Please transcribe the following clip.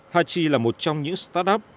hachi là một trong những start up